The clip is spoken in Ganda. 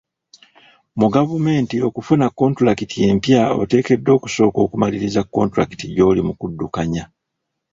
Mu gavumenti okufuna kontulakiti empya oteekeddwa okusooka okumaliriza kontulakiti gy'oli mu kudukanya.